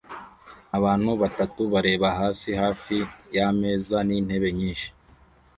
Abantu batatu bareba hasi hafi yameza nintebe nyinshi